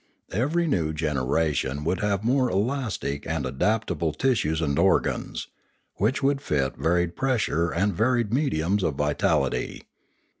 Every new generation would have more elastic and adaptable tissues and organs, which would fit varied pressure and varied mediums of vitality.